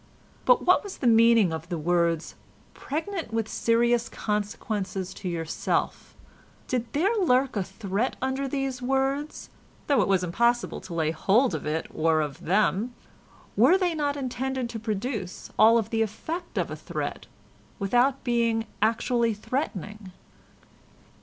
But what was the meaning of the words 'pregnant with serious consequences to yourself'? Did there lurk a threat under these words—though it was impossible to lay hold of it or of them? Were they not intended to produce all the effect of a threat without being actually threatening?"